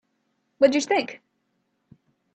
What did you think?